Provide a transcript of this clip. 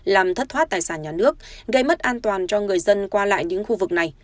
làm thất thoát tài sản nhà nước gây mất an toàn cho người dân qua lại những khu vực này